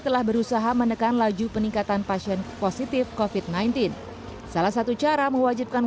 telah berusaha menekan laju peningkatan pasien positif kofit sembilan belas salah satu cara mewajibkan